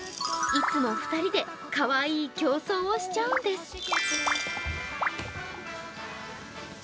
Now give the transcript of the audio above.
いつも２人でかわいい競争をしちゃんです。